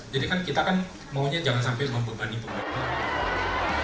kan kita kan maunya jangan sampai membebani pemerintah